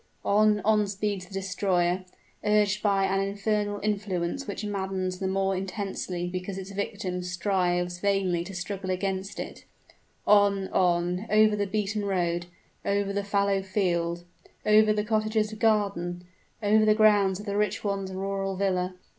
On, on speeds the destroyer, urged by an infernal influence which maddens the more intensely because its victim strives vainly to struggle against it: on, on, over the beaten road over the fallow field over the cottager's garden over the grounds of the rich one's rural villa.